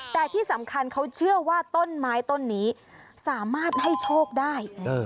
แต่ที่สำคัญเขาเชื่อว่าต้นไม้ต้นนี้สามารถให้โชคได้